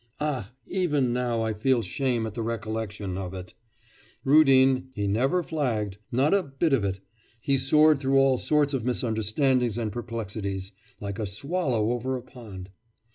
Ah! even now I feel shame at the recollection of it! Rudin he never flagged not a bit of it! He soared through all sorts of misunderstandings and perplexities, like a swallow over a pond.